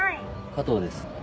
加藤です。